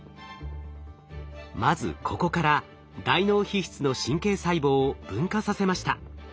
まずここから大脳皮質の神経細胞を分化させました。